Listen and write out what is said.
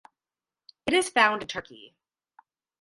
It is found in Turkey.